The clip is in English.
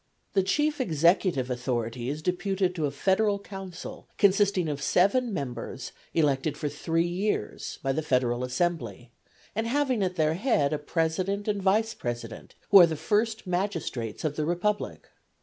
The chief executive authority is deputed to a federal council consisting of seven members elected for three years by the federal assembly, and having at their head a president and vice president, who are the first magistrates of the republic.